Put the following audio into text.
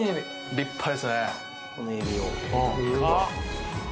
立派ですね。